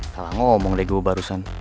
kalau ngomong deh gue barusan